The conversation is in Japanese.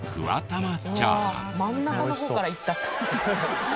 真ん中の方からいった。